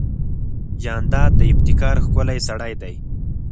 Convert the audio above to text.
جانداد د ابتکار ښکلی سړی دی.